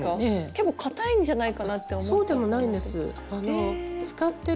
結構かたいんじゃないかなって思っちゃった。